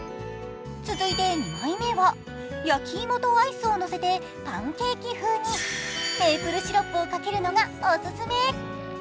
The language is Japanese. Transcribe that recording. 続いて２枚目は、焼き芋とアイスをのせてパンケーキ風に、メイプルシロップをかけるのがオススメ。